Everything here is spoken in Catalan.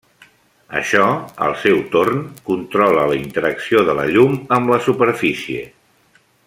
Això, al seu torn, controla la interacció de la llum amb la superfície.